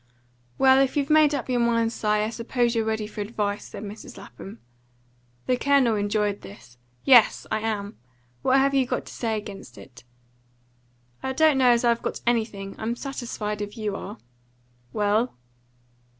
"Well, if you've made up your mind, Si, I suppose you're ready for advice," said Mrs. Lapham. The Colonel enjoyed this. "Yes, I am. What have you got to say against it?" "I don't know as I've got anything. I'm satisfied if you are." "Well?"